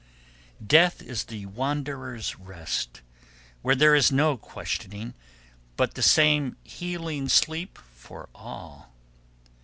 Death is the Wanderer's Rest, where there is no questioning, but the same healing sleep for all.